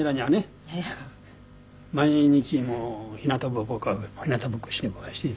毎日もうひなたぼっこかひなたぼっこしてこうして。